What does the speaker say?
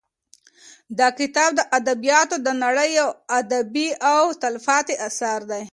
دا کتاب د ادبیاتو د نړۍ یو ابدي او تلپاتې اثر دی.